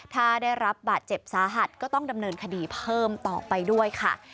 ถ้าได้รับบาดเจ็บสาหัสก็ต้องดำเนินคดีเพิ่มต่อไปด้วยค่ะ